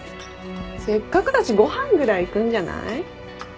せっかくだしご飯ぐらい行くんじゃない？